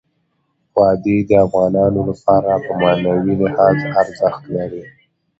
وادي د افغانانو لپاره په معنوي لحاظ ارزښت لري.